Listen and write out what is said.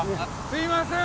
すいません！